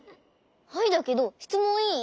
アイだけどしつもんいい？